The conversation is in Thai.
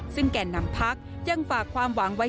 ซึ่งแก่นำพักยังฝากความหวังไว้